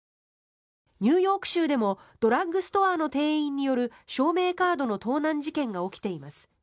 ニューヨーク州でもドラッグストアの店員による証明カードの盗難事件が起きています。